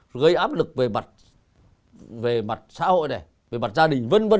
gây áp lực về mặt xã hội này về mặt gia đình v v